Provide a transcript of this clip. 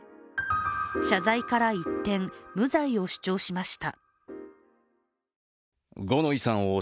謝罪から一転、無罪を主張しました。